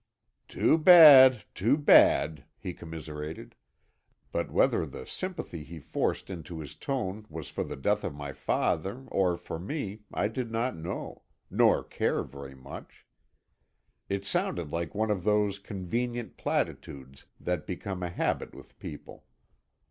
"Too bad, too bad," he commiserated—but whether the sympathy he forced into his tone was for the death of my father, or for me, I did not know—nor care very much. It sounded like one of those convenient platitudes that become a habit with people.